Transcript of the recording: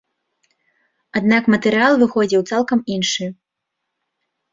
Аднак матэрыял выходзіў цалкам іншы.